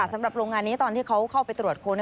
สำหรับโรงงานนี้ตอนที่เขาเข้าไปตรวจค้น